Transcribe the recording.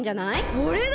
それだ！